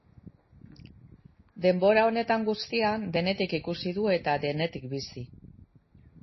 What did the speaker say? Denbora honetan guztian, denetik ikusi du eta denetik bizi.